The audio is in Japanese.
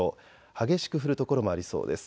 激しく降る所もありそうです。